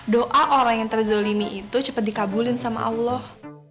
doa orang yang terzolimi itu cepat dikabulin sama allah